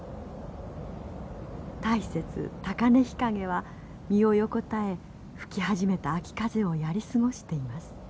タイセツタカネヒカゲは身を横たえ吹き始めた秋風をやり過ごしています。